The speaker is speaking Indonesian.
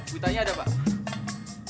witanya ada pak